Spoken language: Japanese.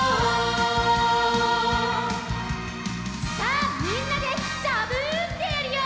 さあみんなでザブンってやるよ！